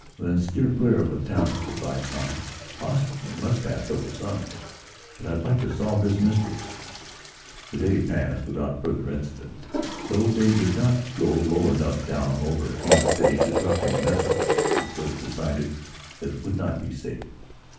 "Then steer clear of the towns," advised Tom. "Impossible. We must pass over some, but I'd like to solve this mystery." The day passed without further incident, though they did not go low enough down over any city to drop any messages. It was decided that it would not be safe.